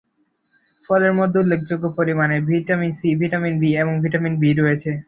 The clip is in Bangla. ফলের মধ্যে উল্লেখযোগ্য পরিমাণে ভিটামিন সি, ভিটামিন বি এবং ভিটামিন বি রয়েছে।